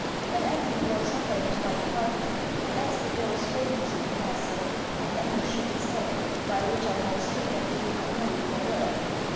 When Andrew brought supper into my apartment, I asked if there were strangers in the castle; and Andrew shook his head, by which I understood that he did not know if there were any.